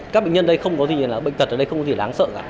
các bệnh nhân đây không có gì là bệnh tật ở đây không có gì đáng sợ cả